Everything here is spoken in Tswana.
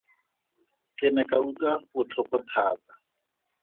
Ke ne ka utlwa botlhoko thata.